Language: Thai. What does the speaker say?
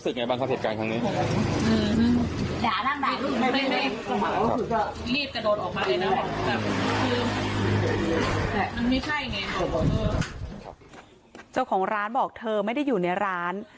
เจ้าของร้านบอกเธอไม่ได้อยู่ในร้าน